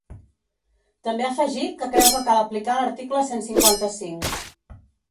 També ha afegit que creu que cal aplicar l’article cent cinquanta-cinc.